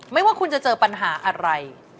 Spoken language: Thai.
ไม่ว่าคุณจะเจอปัญหาอะไร